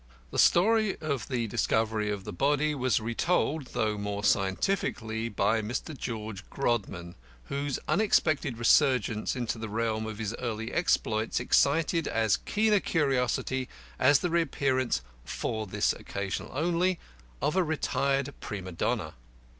The story of the discovery of the body was retold, though more scientifically, by Mr. George Grodman, whose unexpected resurgence into the realm of his early exploits excited as keen a curiosity as the reappearance "for this occasion only" of a retired prima donna.